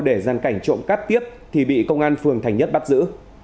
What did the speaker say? để gian cảnh trộm cát tiếp thì bị công an phường thành nhất bắt giữ